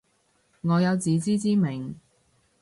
我有自知之明